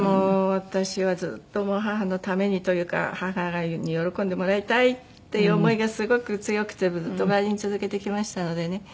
私はずっと母のためにというか母に喜んでもらいたいっていう思いがすごく強くてずっとヴァイオリン続けてきましたのでね。